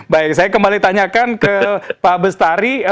baik saya kembali tanyakan ke pak bestari